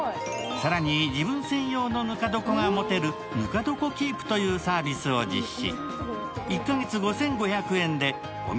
更に、自分専用のぬか床が持てるぬか床キープというサービスを実施。